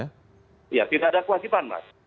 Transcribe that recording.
ya tidak ada kewajiban mas